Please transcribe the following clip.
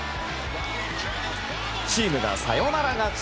チームがサヨナラ勝ち！